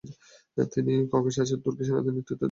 তিনি ককেসাসে তুর্কি সেনাদের নেতৃত্ব দেন।